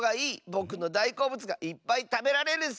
ぼくのだいこうぶつがいっぱいたべられるッス！